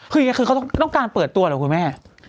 คือเขาต้องการเปิดตัวหรอคุณแม่